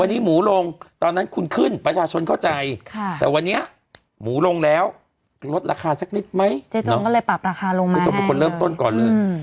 วันนี้หมูลงตอนนั้นคุณขึ้นประชาชนเข้าใจแต่วันนี้หมูลงแล้วลดราคาสักนิดไหมเจ๊จงก็เลยปรับราคาลงมาเจ๊จงเป็นคนเริ่มต้นก่อนเลย